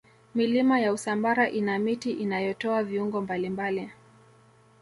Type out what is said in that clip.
milima ya usambara ina miti inayotoa viungo mbalimbali